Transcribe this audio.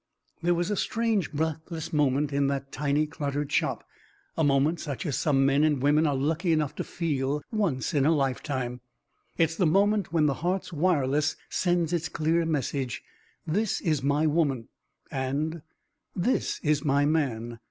There was a strange breathless moment in the tiny cluttered shop, a moment such as some men and women are lucky enough to feel once in a lifetime. It is the moment when the heart's wireless sends its clear message, "This is my woman" and "This is my man."